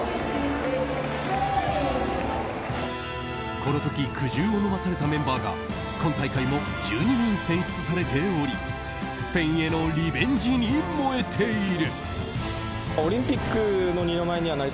この時苦汁を飲まされたメンバーが今大会も１２人選出されておりスペインへのリベンジに燃えている。